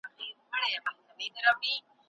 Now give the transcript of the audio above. په مال کي د زکات برخه جلا کړئ.